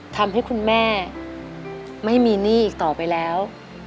ทำให้คุณแม่ไม่มีหนี้อีกต่อไปแล้ว